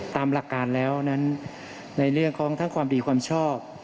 ตามหลักการแล้วนั้นในเรื่องของทั้งความดีความชอบ